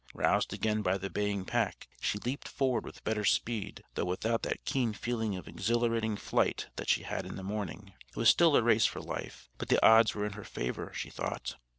Roused again by the baying pack, she leaped forward with better speed, though without that keen feeling of exhilarating flight that she had in the morning. It was still a race for life; but the odds were in her favor, she thought.